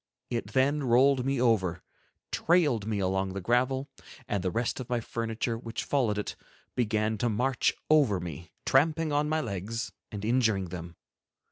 It then rolled me over, trailed me along the gravel, and the rest of my furniture, which followed it, began to march over me, tramping on my legs and injuring them.